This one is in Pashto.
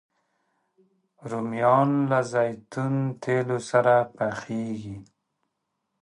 رومیان له زیتون تېلو سره پخېږي